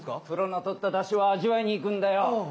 プロの取ったダシを味わいに行くんだよ